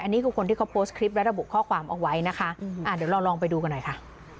อันนี้คือคนที่เขาโพสต์คลิปและระบุข้อความเอาไว้นะคะเดี๋ยวเราลองไปดูกันหน่อยค่ะ